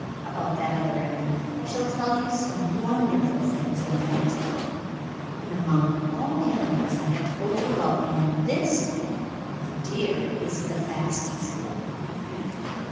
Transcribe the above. About that other animal I shall tell you some wonderful things in the next book. But among all animals I have told you about in this book the deer is the fastest.